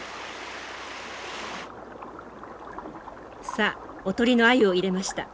さあおとりのアユを入れました。